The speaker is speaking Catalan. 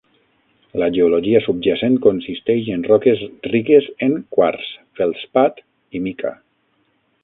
La geologia subjacent consisteix en roques riques en quars, feldspat i mica.